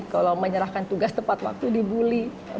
kalau menyerahkan tugas tepat waktu di bully